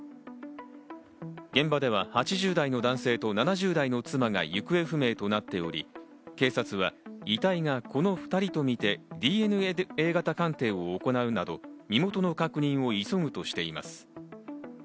現場では８０代の男性と７０代の妻が行方不明となっており、警察は遺体がこの２人とみてＤＮＡ型鑑定を行うなど身元の確認を急ぐとしています。